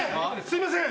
すいません。